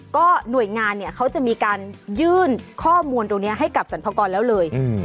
ก็หน่วยงานเนี่ยเขาจะมีการยื่นข้อมูลตรงนี้ให้กับสรรพากรแล้วเลย